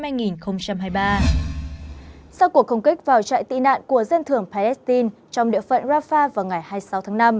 sau cuộc không kích vào trại tị nạn của dân thường palestine trong địa phận rafah vào ngày hai mươi sáu tháng năm